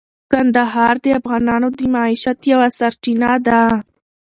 کندهار د افغانانو د معیشت یوه سرچینه ده.